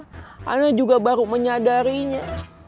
saya juga baru menyadarinya